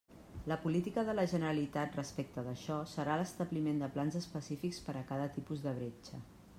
La política de la Generalitat respecte d'això serà l'establiment de plans específics per a cada tipus de bretxa.